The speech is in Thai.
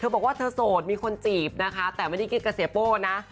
เธอบอกว่าเธอโสดมีคนจีบนะคะแต่ไม่ได้กินกาเซโป้นะ